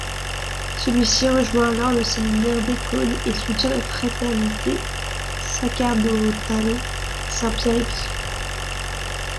Celui-ci rejoint alors le séminaire d'Écône et soutient la Fraternité sacerdotale Saint-Pie-X.